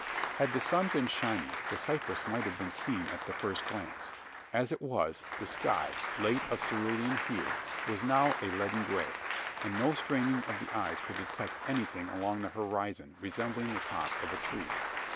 Had the sun been shining, the cypress might have been seen at the first glance. As it was, the sky late of cerulean hue was now of a leaden grey; and no straining of the eyes could detect anything along the horizon resembling the top of a tree.